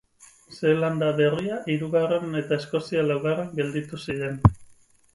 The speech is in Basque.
Zeelanda Berria hirugarren eta Eskozia laugarren gelditu ziren.